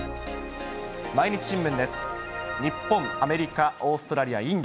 毎日新聞です。